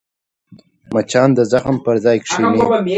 مچان د زخم پر ځای کښېني